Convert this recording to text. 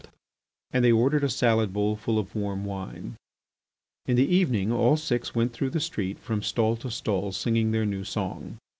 And they ordered a salad bowl full of warm wine. In the evening all six went through the street from stall to stall singing their new song.